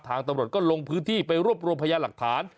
ตำรวจก็ลงพื้นที่ไปรวบรวมพยาหลักฐาน